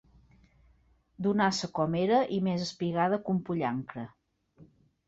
Donassa com era i més espigada que un pollancre